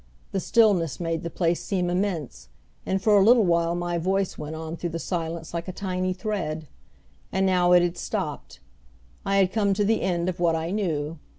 The stillness made the place seem immense, and for a little while my voice went on through the silence like a tiny thread. And now it had stopped. I had come to the end of what I knew.